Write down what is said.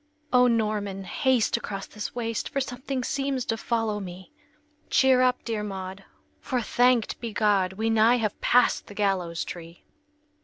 "O Norman, haste across this waste For something seems to follow me!" "Cheer up, dear Maud, for, thanked be God, We nigh have passed the gallows tree!"